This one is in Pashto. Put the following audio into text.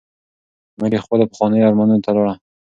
مور یې خپلو پخوانیو ارمانونو ته لاړه.